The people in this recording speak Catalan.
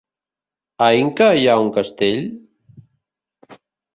A Inca hi ha un castell?